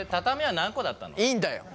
いいんだよ！